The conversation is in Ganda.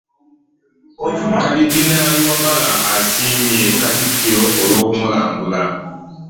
Kalidinaali Wamala asiimye katikkiro olw'okumulambula